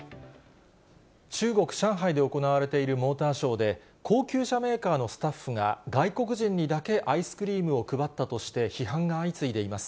中国・上海で行われているモーターショーで、高級車メーカーのスタッフが、外国人にだけアイスクリームを配ったとして批判が相次いでいます。